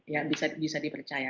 ya bisa dipercaya